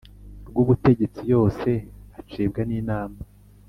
rw ubutegetsi yose acibwa n Inama